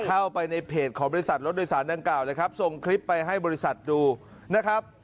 เข้าไปในเพจของบริษัทรถโดยสารดังกล่าวเลยครับส่งคลิปไปให้บริษัทดูนะครับ